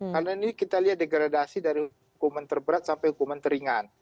karena ini kita lihat degradasi dari hukuman terberat sampai hukuman teringat